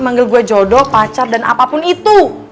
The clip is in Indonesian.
manggil gue jodoh pacar dan apapun itu